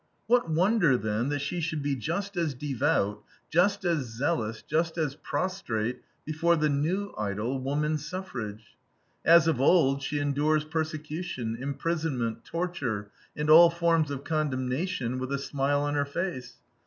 What wonder, then, that she should be just as devout, just as zealous, just as prostrate before the new idol, woman suffrage. As of old, she endures persecution, imprisonment, torture, and all forms of condemnation, with a smile on her face.